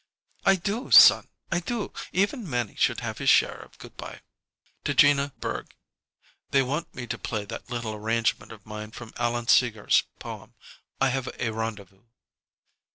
"I do, son; I do! Even Mannie should have his share of good by." To Gina Berg: "They want me to play that little arrangement of mine from Allan Seegar's poem. 'I Have a Rendezvous....'"